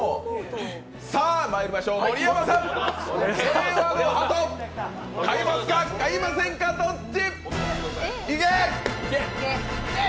さぁ、まいりましょう、盛山さん、「平和の鳩」買いますか、買いませんか、どっち？